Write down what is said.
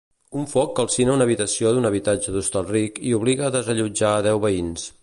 Un foc calcina una habitació d'un habitatge d'Hostalric i obliga a desallotjar deu veïns.